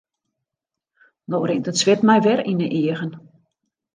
No rint it swit my wer yn 'e eagen.